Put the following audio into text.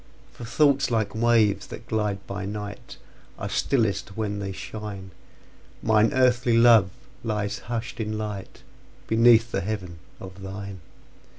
For thoughts, like waves that glide by night, Are stillest when they shine; Mine earthly love lies hush'd in lightBeneath the heaven of thine.